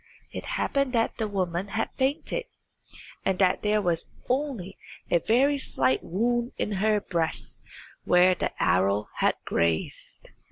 It happened that the woman had fainted, and that there was only a very slight wound in her breast where the arrow had grazed.